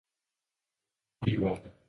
dog kun de Ord.